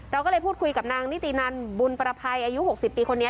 เราก็เลยพูดคุยกับนางนิตินันบุญประภัยอายุ๖๐ปีคนนี้